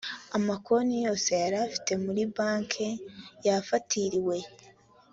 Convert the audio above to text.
amakonti yose yarafite muri bank yafatiriwe